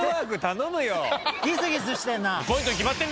ギスギスしてんな。